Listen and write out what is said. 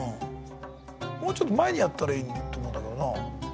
もうちょっと前にやったらいいと思うんだけどな。